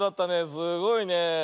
すごいねえ。